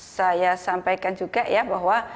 saya sampaikan juga ya bahwa